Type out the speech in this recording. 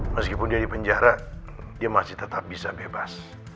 meskipun dia di penjara dia masih tetap bisa bebas